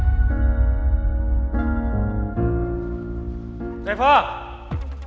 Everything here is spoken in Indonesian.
tapi lo justru pergi sama boy